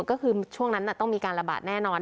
ก็คือช่วงนั้นต้องมีการระบาดแน่นอน